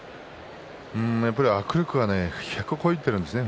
やっぱり握力１００を超えてるんですよね